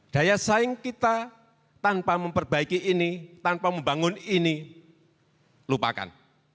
daya saing kita tanpa memperbaiki ini tanpa membangun ini lupakan